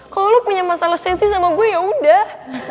kalo lo punya masalah sensi sama gue yaudah